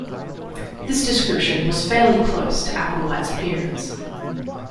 This description was fairly close to Applewhite's appearance.